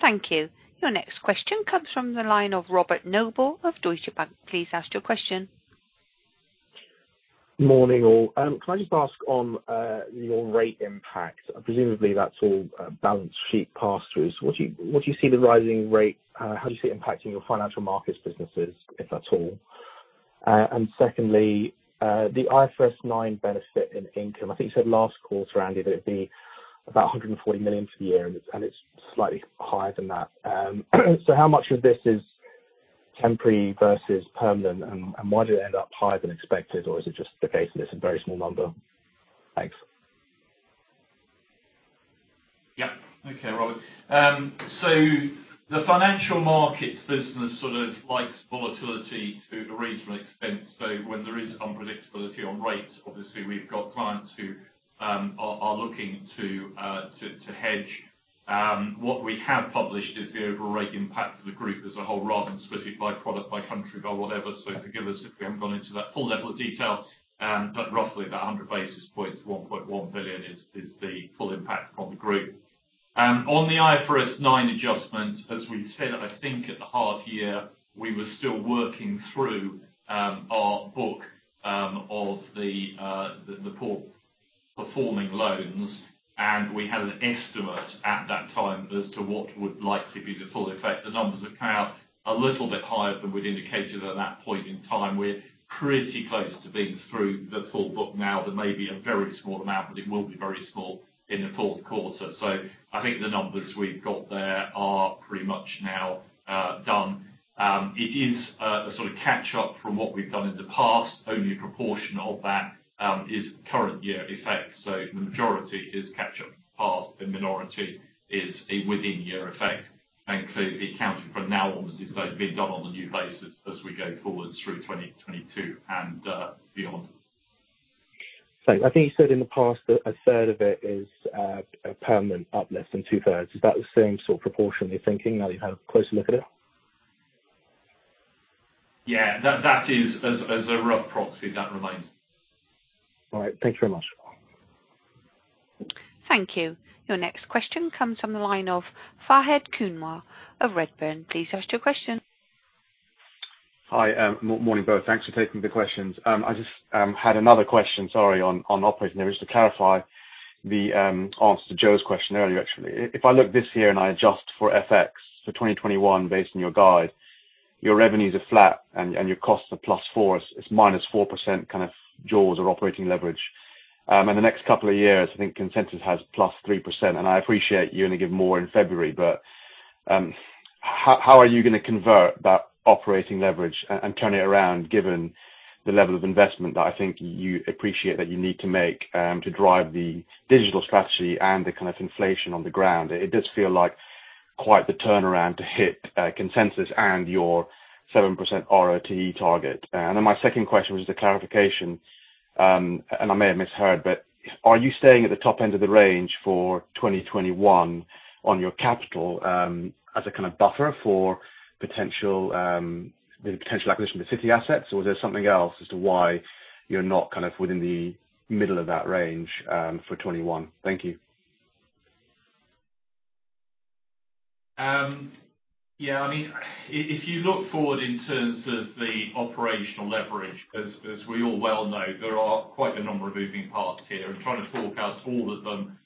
Thank you. Your next question comes from the line of Robert Noble of Deutsche Bank. Please ask your question. Morning, all. Can I just ask on your rate impact, presumably that's all balance sheet pass-throughs. What do you see the rising rate, how do you see it impacting your financial markets businesses, if at all? And secondly, the IFRS 9 benefit in income. I think you said last quarter, Andy, that it'd be about $140 million for the year, and it's slightly higher than that. So how much of this is temporary versus permanent, and why did it end up higher than expected, or is it just the case that it's a very small number? Thanks. Yeah. Okay, Robert. The financial markets business sort of likes volatility to a reasonable extent. When there is unpredictability on rates, obviously we've got clients who are looking to hedge. What we have published is the overall rate impact for the group as a whole rather than specified product by country, by whatever. Forgive us if we haven't gone into that full level of detail. Roughly about 100 basis points, $1.1 billion is the full impact from the group. On the IFRS 9 adjustment, as we said, I think at the half year, we were still working through our book of the poor performing loans. We had an estimate at that time as to what would likely be the full effect. The numbers have come out a little bit higher than we'd indicated at that point in time. We're pretty close to being through the full book now. There may be a very small amount, but it will be very small in the fourth quarter. I think the numbers we've got there are pretty much now done. It is a sort of catch up from what we've done in the past. Only a proportion of that is current year effect. The majority is catch up past. The minority is a within year effect and accounted for now onwards as those being done on the new basis as we go forward through 2022 and beyond. I think you said in the past that a third of it is permanent up less than two thirds. Is that the same sort of proportion you're thinking now that you've had a closer look at it? Yeah. That is. As a rough proxy, that remains. All right. Thank you very much. Thank you. Your next question comes from the line of Fahed Kunwar of Redburn. Please ask your question. Hi. Morning, both. Thanks for taking the questions. I just had another question, sorry, on operating leverage to clarify the answer to Joe's question earlier, actually. If I look this year and I adjust for FX for 2021, based on your guide, your revenues are flat and your costs are +4%. It's -4% kind of jaws or operating leverage. In the next couple of years, I think consensus has +3%. I appreciate you're going to give more in February, but how are you going to convert that operating leverage and turn it around given the level of investment that I think you appreciate that you need to make to drive the digital strategy and the kind of inflation on the ground. It does feel like quite the turnaround to hit consensus and your 7% RoTE target. My second question was a clarification. I may have misheard, but are you staying at the top end of the range for 2021 on your capital, as a kind of buffer for potential acquisition of Citi assets, or is there something else as to why you're not kind of within the middle of that range, for 2021? Thank you. Yeah, I mean, if you look forward in terms of the operational leverage, as we all well know, there are quite a number of moving parts here, and trying to talk out all of them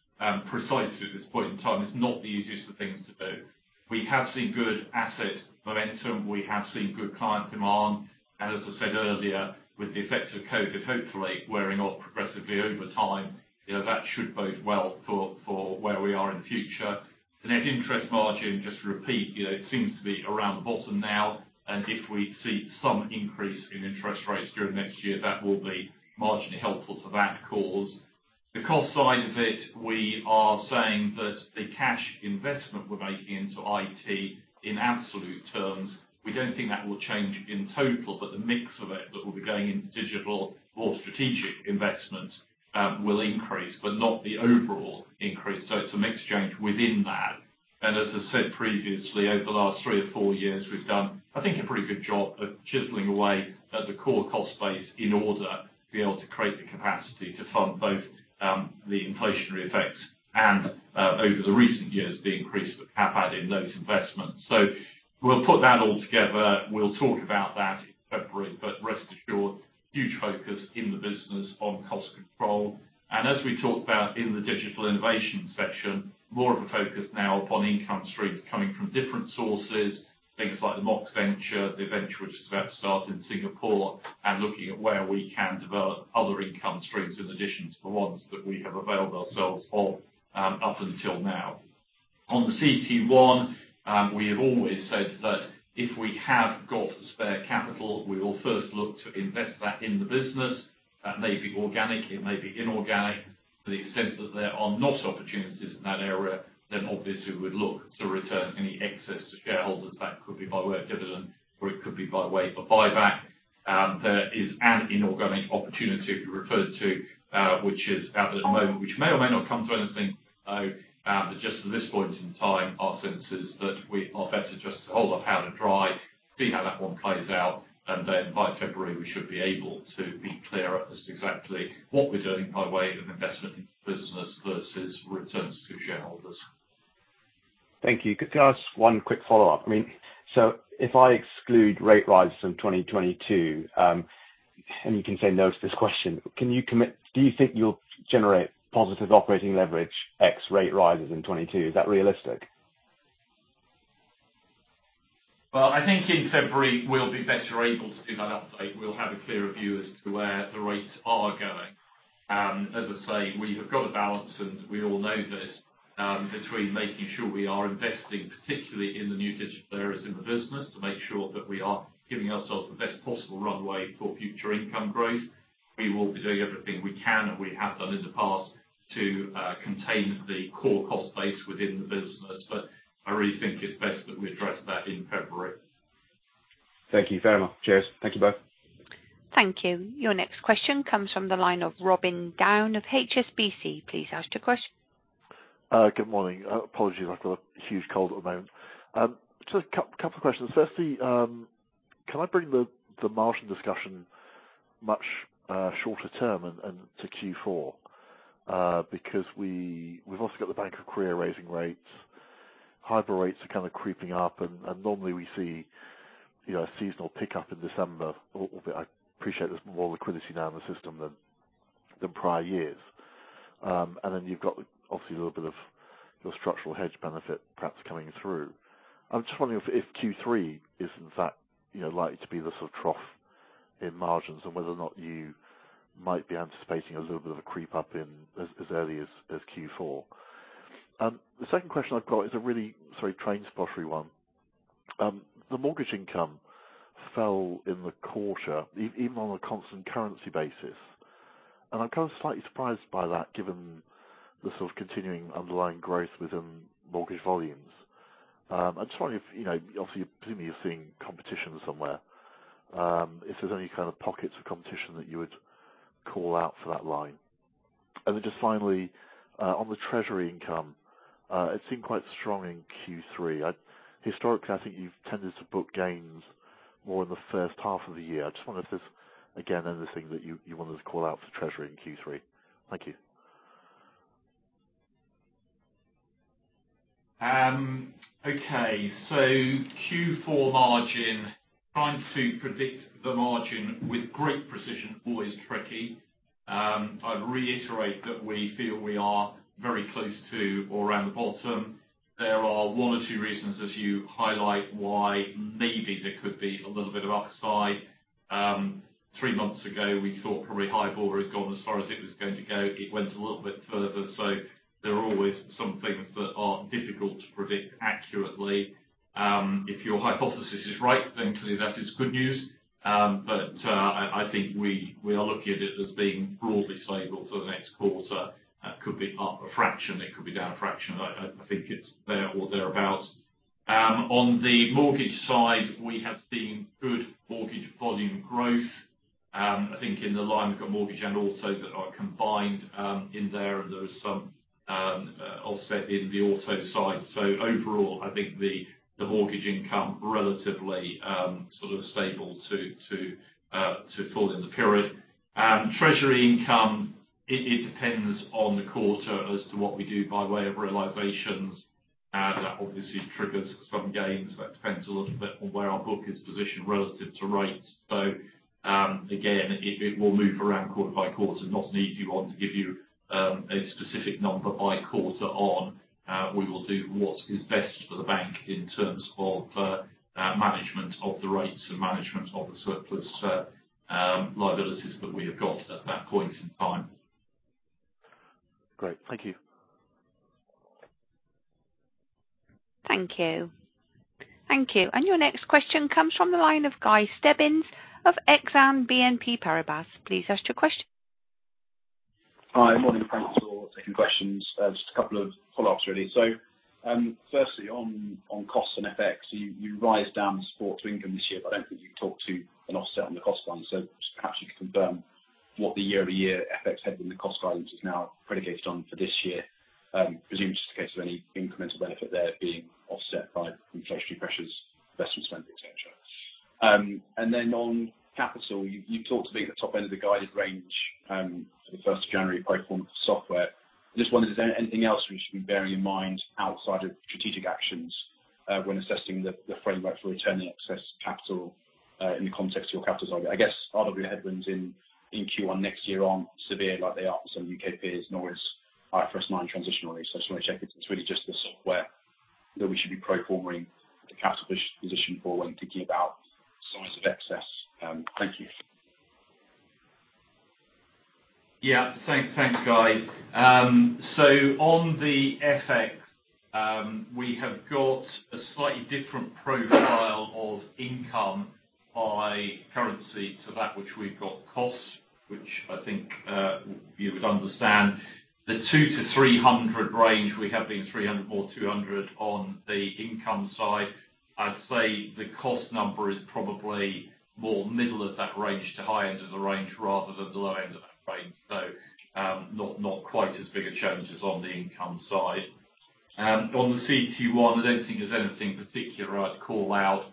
precisely at this point in time is not the easiest of things to do. We have seen good asset momentum. We have seen good client demand. As I said earlier, with the effects of COVID hopefully wearing off progressively over time, you know, that should bode well for where we are in the future. The net interest margin, just to repeat, you know, it seems to be around the bottom now. If we see some increase in interest rates during next year, that will be marginally helpful for that cause. The cost side of it, we are saying that the cash investment we're making into IT in absolute terms, we don't think that will change in total, but the mix of it that will be going into digital or strategic investments will increase, but not the overall increase. It's a mix change within that. As I said previously, over the last three or four years, we've done, I think, a pretty good job of chiseling away at the core cost base in order to be able to create the capacity to fund both the inflationary effects and over the recent years, the increase with CapEx in those investments. We'll put that all together. We'll talk about that in February, but rest assured, huge focus in the business on cost control. As we talked about in the digital innovation section, more of a focus now upon income streams coming from different sources, things like the Mox venture, the venture which is about to start in Singapore, and looking at where we can develop other income streams in addition to the ones that we have availed ourselves of, up until now. On the CET1, we have always said that if we have got spare capital, we will first look to invest that in the business. That may be organic, it may be inorganic. To the extent that there are not opportunities in that area, then obviously, we would look to return any excess to shareholders. That could be by way of dividend, or it could be by way of a buyback. There is an inorganic opportunity you referred to, which is out at the moment, which may or may not come to anything. Just at this point in time, our sense is that we are better just to hold the powder dry, see how that one plays out, and then by February, we should be able to be clearer as to exactly what we're doing by way of investment in business versus returns to shareholders. Thank you. Could you ask one quick follow-up? I mean, if I exclude rate rises from 2022, and you can say no to this question, do you think you'll generate positive operating leverage ex rate rises in 2022? Is that realistic? Well, I think in February, we'll be better able to do that update. We'll have a clearer view as to where the rates are going. As I say, we have got to balance, and we all know this, between making sure we are investing, particularly in the new digital areas in the business to make sure that we are giving ourselves the best possible runway for future income growth. We will be doing everything we can, and we have done in the past, to contain the core cost base within the business. I really think it's best that we address that in February. Thank you. Fair enough. Cheers. Thank you both. Thank you. Your next question comes from the line of Robin Down of HSBC. Please ask your question. Good morning. Apologies, I've got a huge cold at the moment. Just a couple of questions. Firstly, can I bring the margin discussion much shorter term and to Q4? Because we've also got the Bank of Korea raising rates. HIBOR rates are kind of creeping up. Normally we see, you know, a seasonal pickup in December. Although I appreciate there's more liquidity now in the system than prior years. Then you've got obviously a little bit of your structural hedge benefit perhaps coming through. I'm just wondering if Q3 is in fact, you know, likely to be the sort of trough in margins and whether or not you might be anticipating a little bit of a creep up in as early as Q4. The second question I've got is a really, sorry, train spottery one. The mortgage income fell in the quarter even on a constant currency basis. I'm kind of slightly surprised by that given the sort of continuing underlying growth within mortgage volumes. I'm just wondering if, you know, obviously, presumably you're seeing competition somewhere. If there's any kind of pockets of competition that you would call out for that line. Then just finally, on the treasury income, it seemed quite strong in Q3. Historically, I think you've tended to book gains more in the H1 of the year. I just wonder if there's, again, anything that you wanted to call out for treasury in Q3. Thank you. Q4 margin, trying to predict the margin with great precision, always tricky. I'd reiterate that we feel we are very close to or around the bottom. There are one or two reasons, as you highlight, why maybe there could be a little bit of upside. Three months ago, we thought probably HIBOR had gone as far as it was going to go. It went a little bit further. There are always some things that are difficult to predict accurately. If your hypothesis is right, then clearly that is good news. I think we are looking at it as being broadly stable for the next quarter. It could be up a fraction, it could be down a fraction. I think it's there or thereabouts. On the mortgage side, we have seen good mortgage volume growth. I think in the line we've got mortgage and auto that are combined in there, and there is some offset in the auto side. Overall, I think the mortgage income relatively sort of stable to flat in the period. Treasury income, it depends on the quarter as to what we do by way of realizations. And that obviously triggers some gains. That depends a little bit on where our book is positioned relative to rates. Again, it will move around quarter by quarter, not an easy one to give you a specific number by quarter on. We will do what is best for the bank in terms of management of the rates and management of the surplus liabilities that we have got at that point in time. Great. Thank you. Thank you. Thank you. Your next question comes from the line of Guy Stebbings of Exane BNP Paribas. Please ask your question. Hi. Morning, thanks for taking questions. Just a couple of follow-ups, really. Firstly on costs and FX, you cited downside support to income this year, but I don't think you can count on an offset on the cost side. Just perhaps you can confirm what the year-over-year FX headwind to the cost guidance is now predicated on for this year. I presume it's just a case of any incremental benefit there being offset by inflationary pressures, investment spending, et cetera. On capital, you talked to 14 at the top end of the guided range for the first of January pro forma for software. Just wondering, is there anything else we should be bearing in mind outside of strategic actions when assessing the framework for returning excess capital in the context of your capital target? I guess RWA headwinds in Q1 next year aren't severe like they are for some U.K. peers, nor is IFRS 9 transition really. I just wanna check if it's really just the software that we should be pro forma-ing the capital position for when thinking about size of excess. Thank you. Thanks, Guy. On the FX, we have got a slightly different profile of income by currency to that which we've got costs, which I think you would understand. The 200-300 range, we have been 300 or 200 on the income side. I'd say the cost number is probably more middle of that range to high end of the range rather than the low end of that range. Not quite as big a challenge as on the income side. On the CET1, I don't think there's anything particular I'd call out.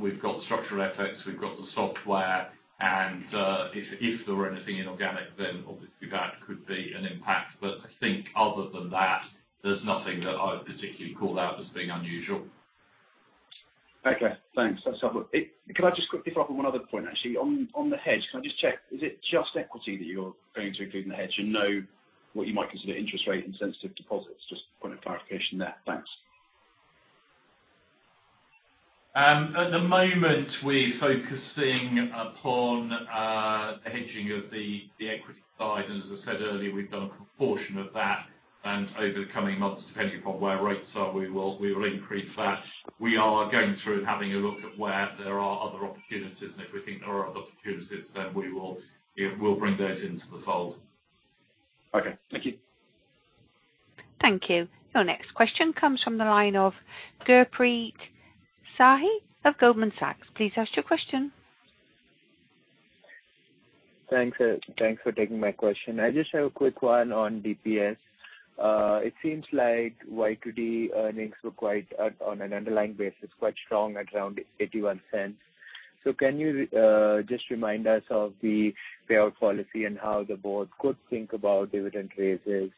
We've got structural FX, we've got the software, and if there were anything inorganic, then obviously that could be an impact. I think other than that, there's nothing that I would particularly call out as being unusual. Okay. Thanks. That's helpful. Could I just quickly follow up on one other point, actually. On the hedge, can I just check, is it just equity that you're going to include in the hedge and not what you might consider interest rate-insensitive deposits? Just a point of clarification there. Thanks. At the moment we're focusing upon hedging of the equity side. As I said earlier, we've done a proportion of that, and over the coming months, depending upon where rates are, we will increase that. We are going through and having a look at where there are other opportunities. If we think there are other opportunities, then we will, you know, we'll bring those into the fold. Okay. Thank you. Thank you. Your next question comes from the line of Gurpreet Singh Sahi of Goldman Sachs. Please ask your question. Thanks for taking my question. I just have a quick one on DPS. It seems like year-to-date earnings were quite on an underlying basis quite strong at around $0.81. Can you just remind us of the payout policy and how the board could think about dividend raises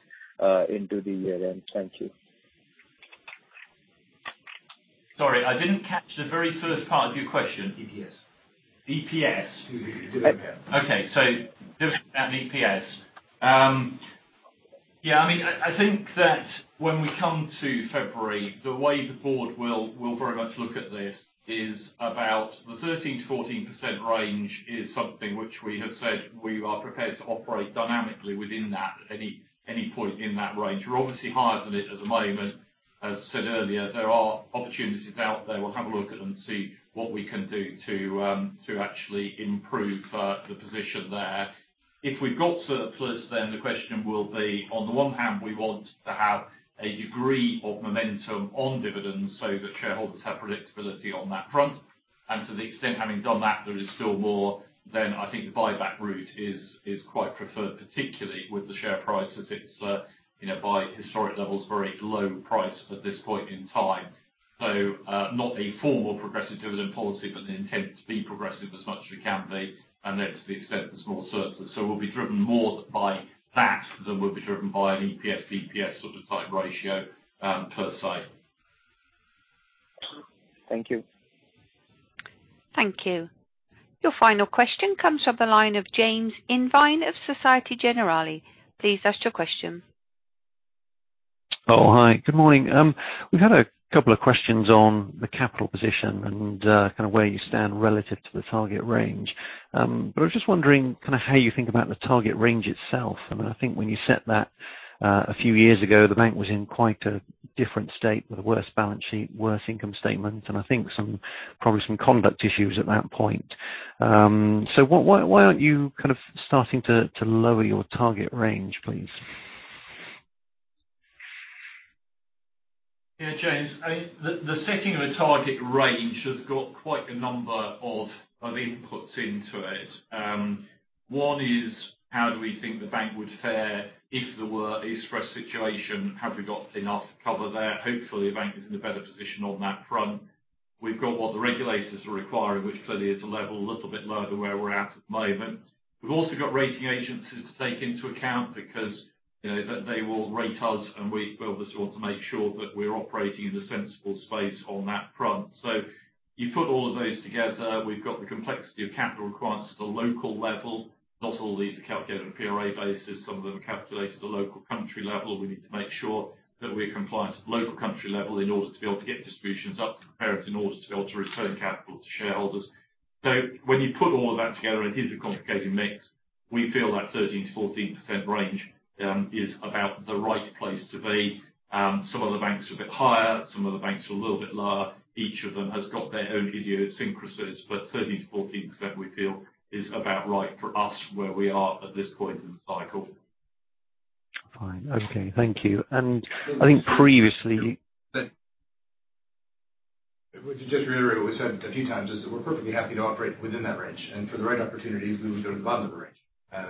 into the year-end? Thank you. Sorry, I didn't catch the very first part of your question. DPS. DPS? Dividend per share. Okay. Dividend and DPS. Yeah, I mean, I think that when we come to February, the way the board will very much look at this is about the 13%-14% range is something which we have said we are prepared to operate dynamically within that at any point in that range. We're obviously higher than it at the moment. As I said earlier, there are opportunities out there. We'll have a look at them and see what we can do to actually improve the position there. If we've got surplus, then the question will be, on the one hand, we want to have a degree of momentum on dividends so that shareholders have predictability on that front. To the extent having done that there is still more, then I think the buyback route is quite preferred, particularly with the share price as it's, you know, at historic levels, very low price at this point in time. Not a formal progressive dividend policy, but an intent to be progressive as much as we can be, and then to the extent the small surplus, we'll be driven more by that than we'll be driven by an EPS DPS sort of type ratio, per se. Thank you. Thank you. Your final question comes from the line of James Irvine of Société Générale. Please ask your question. Oh, hi. Good morning. We've had a couple of questions on the capital position and kind of where you stand relative to the target range. I was just wondering kind of how you think about the target range itself. I mean, I think when you set that a few years ago, the bank was in quite a different state with a worse balance sheet, worse income statement, and I think some probably some conduct issues at that point. Why aren't you kind of starting to lower your target range, please? Yeah, James. The setting of a target range has got quite a number of inputs into it. One is how do we think the bank would fare if there were a stress situation? Have we got enough cover there? Hopefully, the bank is in a better position on that front. We've got what the regulators are requiring, which clearly is a level a little bit lower than where we're at at the moment. We've also got rating agencies to take into account because, you know, they will rate us, and we obviously want to make sure that we're operating in a sensible space on that front. You put all of those together, we've got the complexity of capital requirements at a local level. Not all of these are calculated on a PRA basis. Some of them are calculated at a local country level. We need to make sure that we're compliant at the local country level in order to be able to get distributions up to parents in order to be able to return capital to shareholders. When you put all of that together, and it is a complicated mix, we feel that 13%-14% range is about the right place to be. Some other banks are a bit higher, some other banks are a little bit lower. Each of them has got their own idiosyncrasies, but 13%-14% we feel is about right for us where we are at this point in the cycle. Fine. Okay. Thank you. I think previously. To just reiterate what we've said a few times is that we're perfectly happy to operate within that range. For the right opportunities, we would go to the bottom of the range. In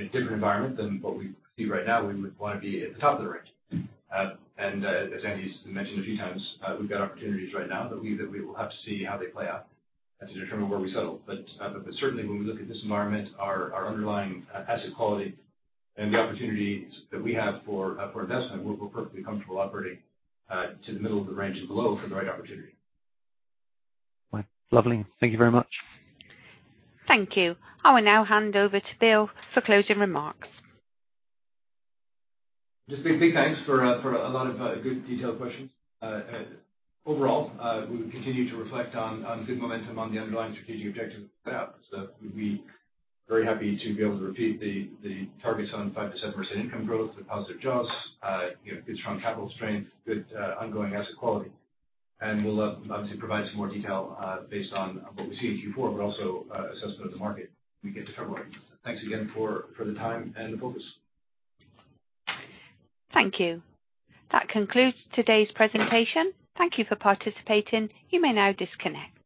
a different environment than what we see right now, we would wanna be at the top of the range. As Andy's mentioned a few times, we've got opportunities right now that we will have to see how they play out to determine where we settle. Certainly when we look at this environment, our underlying asset quality and the opportunities that we have for investment, we're perfectly comfortable operating to the middle of the range and below for the right opportunity. Right. Lovely. Thank you very much. Thank you. I will now hand over to Bill for closing remarks. Just a big thanks for a lot of good detailed questions. Overall, we would continue to reflect on good momentum on the underlying strategic objectives set out. We'd be very happy to be able to repeat the targets on 5% income growth with positive jaws, you know, good strong capital strength, with ongoing asset quality. We'll obviously provide some more detail based on what we see in Q4, but also assessment of the market when we get to February. Thanks again for the time and the focus. Thank you. That concludes today's presentation. Thank you for participating. You may now disconnect.